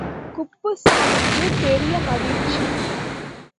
குப்புசாமிக்குப் பெரிய மகிழ்ச்சி!